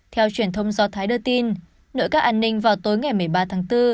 theo truyền thông do thái đưa tin nội các an ninh vào tối ngày một mươi ba tháng bốn